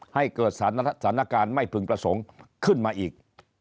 ให้เกิดสถานการณ์ไม่พึงประสงค์ขึ้นมาอีก